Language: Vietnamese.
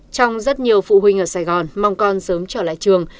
trong rất nhiều phụ huynh ở sài gòn mong con sớm trở lại trường